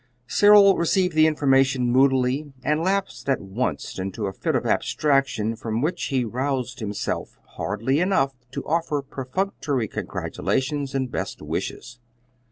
Cyril received the information moodily, and lapsed at once into a fit of abstraction from which he roused himself hardly enough to offer perfunctory congratulations and best wishes.